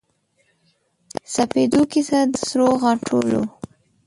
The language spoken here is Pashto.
سپیدو کیسه د سروغاټولو